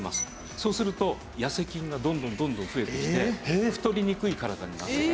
そうすると痩せ菌がどんどんどんどん増えてきて太りにくい体になる。